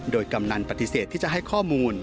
โดยกำนันปฏิเสธที่จะให้ข้อมูล